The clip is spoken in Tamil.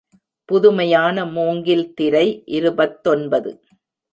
புதுமையான மூங்கில் திரை இருபத்தொன்பது.